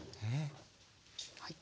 はい。